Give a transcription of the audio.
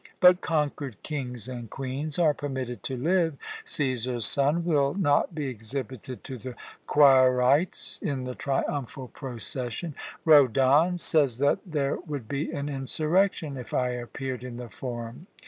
But conquered kings and queens are permitted to live. Cæsar's son will not be exhibited to the Quirites in the triumphal procession. Rhodon says that there would be an insurrection if I appeared in the Forum.